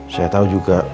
saya tau juga